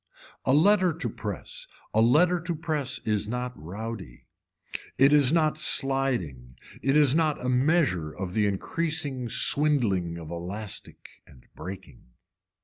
A letter to press, a letter to press is not rowdy, it is not sliding, it is not a measure of the increasing swindling of elastic and breaking.